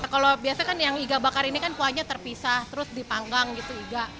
kalau biasa kan yang iga bakar ini kan kuahnya terpisah terus dipanggang gitu iga